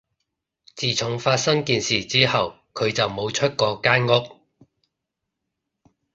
自從發生件事之後，佢就冇出過間屋